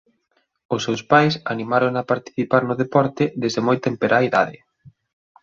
Os seus pais animárona a participar no deporte desde moi temperá idade.